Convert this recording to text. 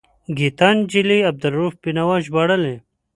ګیتا نجلي عبدالرؤف بینوا ژباړلی.